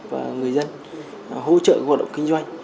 và người dân hỗ trợ hoạt động kinh doanh